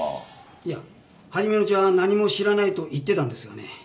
いや初めのうちは何も知らないと言ってたんですがね